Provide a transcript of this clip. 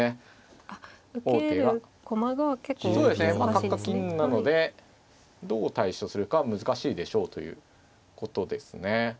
角か金なのでどう対処するか難しいでしょうということですね。